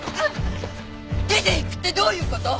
出ていくってどういう事！？